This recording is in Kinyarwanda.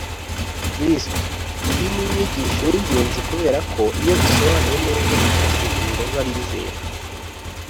Kristo. Iyi ni inyigisho y'ingenzi kuberako, iyo isobanuwe neza, ifasha ubugingo bw'abizera